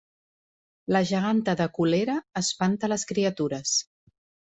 La geganta de Colera espanta les criatures